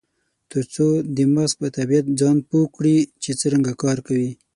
ترڅو د مغز په طبیعت ځان پوه کړي چې څرنګه کار کوي.